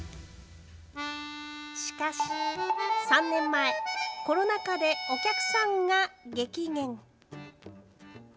しかし３年前コロナ禍でお客さんが激減。